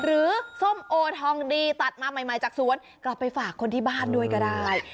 ส้มโอทองดีตัดมาใหม่จากสวนกลับไปฝากคนที่บ้านด้วยก็ได้